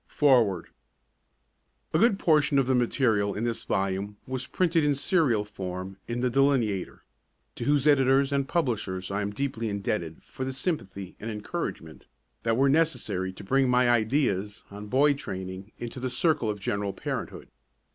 FOREWORD A good portion of the material in this volume was printed in serial form in The Delineator, to whose editors and publishers I am deeply indebted for the sympathy and encouragement that were necessary to bring my ideas on boy training into the circle of general parenthood.